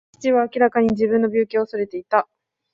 父は明らかに自分の病気を恐れていた。